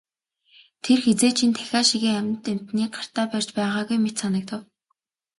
Тэр хэзээ ч энэ тахиа шигээ амьд амьтныг гартаа барьж байгаагүй мэт санав.